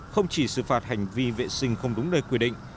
không chỉ xử phạt hành vi vệ sinh không đúng nơi quy định